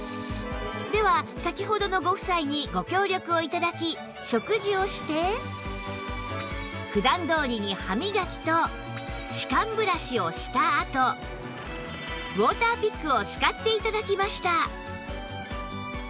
では先ほどのご夫妻にご協力を頂き食事をして普段どおりに歯磨きと歯間ブラシをしたあとウォーターピックを使って頂きました